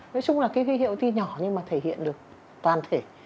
nói chung là cái huy hiệu tuy nhỏ nhưng mà thể hiện được toàn thể